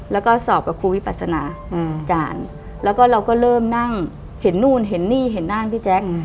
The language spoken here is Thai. แล้วก็สอบกับครูวิปัสนาอาจารย์แล้วก็เราก็เริ่มนั่งเห็นนู่นเห็นนี่เห็นนั่นพี่แจ๊ค